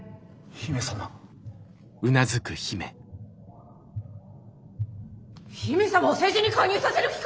姫様を政治に介入させる気か！